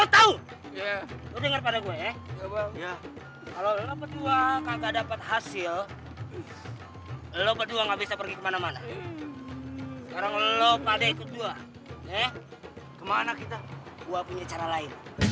tidak ada orang yang membunuh diri